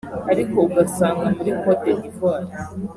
Ariko ugasanga muri Cote d’Ivoire